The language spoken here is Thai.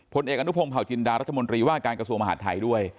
เอกอนุพงศ์เผาจินดารัฐมนตรีว่าการกระทรวงมหาดไทยด้วย